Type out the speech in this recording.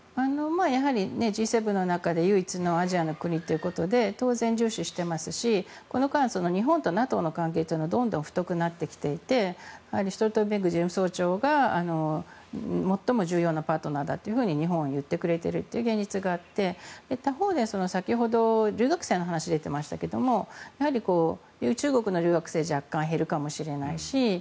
やはり、Ｇ７の中で唯一のアジアの国ということで当然、重視していますしこの間、日本とＮＡＴＯの関係はどんどん太くなってきていてストルテンベルグ事務総長が最も重要なパートナーだと日本を言ってくれている現実があって他方では、先ほど留学生の話が出ていましたが中国の留学生若干減るかもしれないし